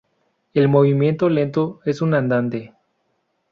El movimiento lento es un andante.